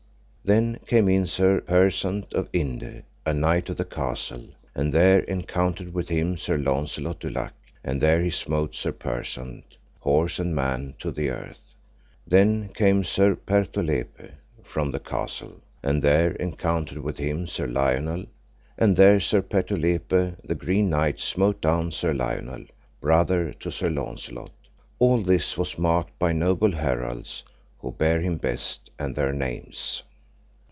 Then came in Sir Persant of Inde, a knight of the castle, and there encountered with him Sir Launcelot du Lake, and there he smote Sir Persant, horse and man, to the earth. Then came Sir Pertolepe from the castle, and there encountered with him Sir Lionel, and there Sir Pertolepe, the Green Knight, smote down Sir Lionel, brother to Sir Launcelot. All this was marked by noble heralds, who bare him best, and their names.